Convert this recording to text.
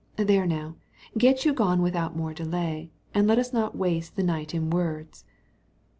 There now, get you gone without more delay, and let us not waste the night in words."